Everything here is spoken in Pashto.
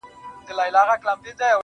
شپه په خندا ده، سهار حیران دی.